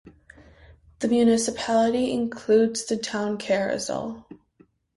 The municipality includes the town Carrizal.